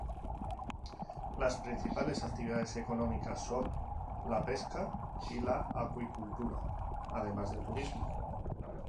Las principales actividades económicas son la pesca y la acuicultura, además del turismo.